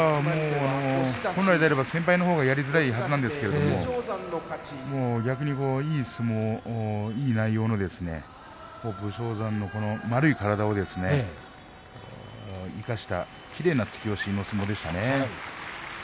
先輩のほうがやりづらいはずなんですが逆に、いい相撲、いい内容の武将山の丸い体を生かしたきれいな突き押しでしたね。